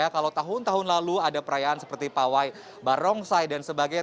kalau tahun tahun lalu ada perayaan seperti pawai barongsai dan sebagainya